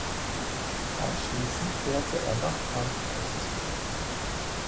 Anschließend kehrte er nach Frankreich zurück.